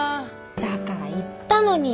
だから言ったのに。